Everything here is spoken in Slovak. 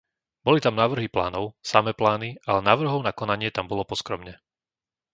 Boli tam návrhy plánov, samé plány, ale návrhov na konanie tam bolo poskromne.